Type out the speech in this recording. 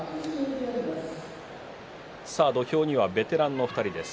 土俵にはベテランの２人です。